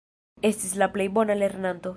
Estis la plej bona lernanto.